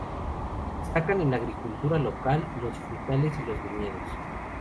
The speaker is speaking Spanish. Destacan en la agricultura local los frutales y los viñedos.